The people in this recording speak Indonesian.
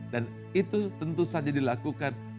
dan itu tentu saja dilakukan